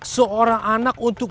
seorang anak untuk